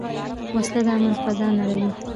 وسله د امن فضا نړوي